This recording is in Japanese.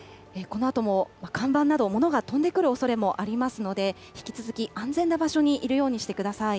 このあとも看板など、物が飛んでくるおそれもありますので、引き続き安全な場所にいるようにしてください。